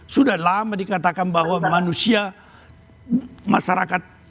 sudah lama dikatakan bahwa manusia masyarakat